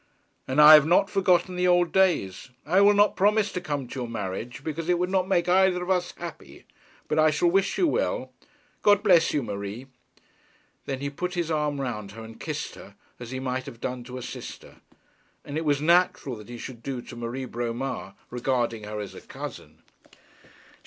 'And I have never forgotten the old days. I will not promise to come to your marriage, because it would not make either of us happy, but I shall wish you well. God bless you, Marie.' Then he put his arm round her and kissed her, as he might have done to a sister, as it was natural that he should do to Marie Bromar, regarding her as a cousin.